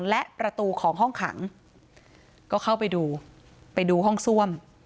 และประตูของห้องขังก็เข้าไปดูไปดูห้องซ่วม